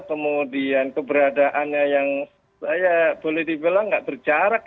kemudian keberadaannya yang saya boleh dibilang tidak berjarak